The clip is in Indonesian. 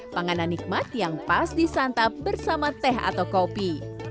panganan nikmat yang pas disantap bersama teh atau kopi